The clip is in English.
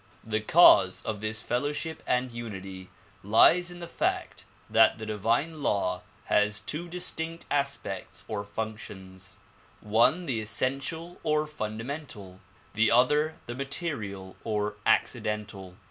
The cause of this fellowship and unity lies in the fact that the divine law has two distinct aspects or functions ;— one the essential or fundamental; the other the material or accidental.